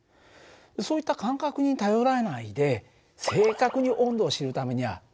そういった感覚に頼らないで正確に温度を知るためにはどうしたらいいかな？